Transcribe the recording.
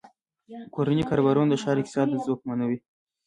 کورني کاروبارونه د ښار اقتصاد ځواکمنوي.